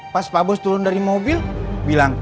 pas pak bos turun dari mobil bilang